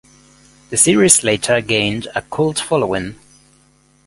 The series later gained a cult following.